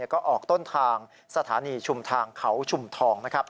ก็ออกต้นทางสถานีชุมทางเขาชุมทองนะครับ